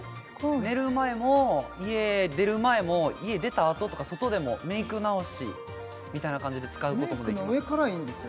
寝る前も家出る前も家出たあととか外でもメイク直しみたいな感じで使うこともできます